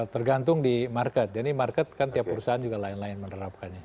tergantung di market jadi market kan tiap perusahaan juga lain lain menerapkannya